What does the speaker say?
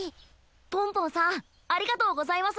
ポンポンさんありがとうございます。